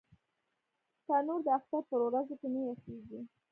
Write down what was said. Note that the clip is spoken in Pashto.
تنور د اختر پر ورځو کې نه یخېږي